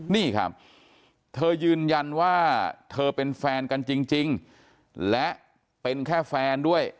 นี่ครับเธอยืนยันว่าเธอเป็นแฟนกันจริงและเป็นแค่แฟนด้วย